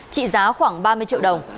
trị giá khoảng ba mươi triệu đồng